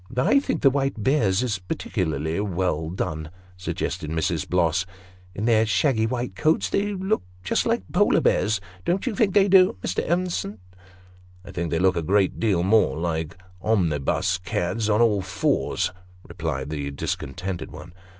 " I think the white boars is partickerlerly well done," suggested Mrs. Bloss. " In their shaggy white coats, they look just like Polar bears don't you think they do, Mr. Evenson ?" "I think they look a great deal more like omnibus cads on all fours," replied the discontented one.